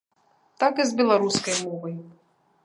Так і з беларускай мовай.